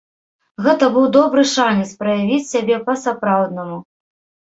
Гэта быў добры шанец праявіць сябе па-сапраўднаму.